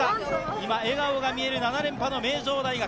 今、笑顔が見える７連覇の名城大学。